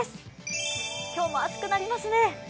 今日も暑くなりますね。